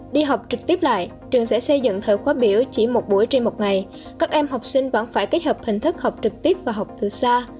đi học trực tiếp lại trường sẽ xây dựng thở khóa biểu chỉ một buổi trên một ngày các em học sinh vẫn phải kết hợp hình thức học trực tiếp và học từ xa